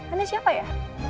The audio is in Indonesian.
anda siapa ya